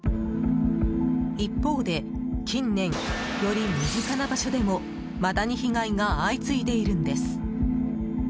一方で近年、より身近な場所でもマダニ被害が相次いでいるんです。